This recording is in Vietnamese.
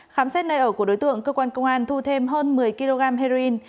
khám xét nơi ở của đối tượng cơ quan công an thu thêm hơn một mươi kg heroin